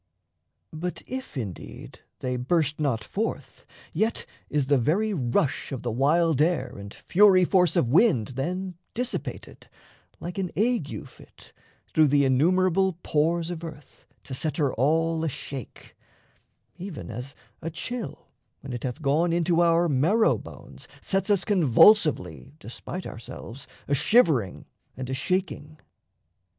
But if, indeed, They burst not forth, yet is the very rush Of the wild air and fury force of wind Then dissipated, like an ague fit, Through the innumerable pores of earth, To set her all a shake even as a chill, When it hath gone into our marrow bones, Sets us convulsively, despite ourselves, A shivering and a shaking.